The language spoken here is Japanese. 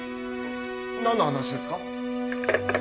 なんの話ですか？